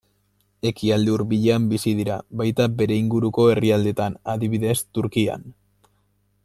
Ekialde Hurbilean bizi dira, baita bere inguruko herrialdetan, adibidez Turkian.